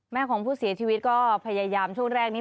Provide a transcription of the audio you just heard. ของผู้เสียชีวิตก็พยายามช่วงแรกนี้